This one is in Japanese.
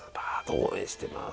応援してます